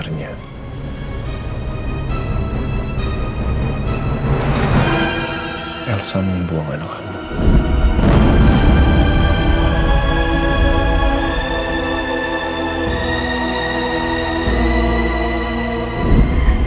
nino tahu anak kamu dibuang sama elsa kemati asuhan